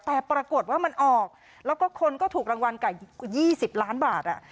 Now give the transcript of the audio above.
แต่ปรากฏว่ามันออกแล้วก็คนก็ถูกรางวัลกับ๒๐ล้านบาท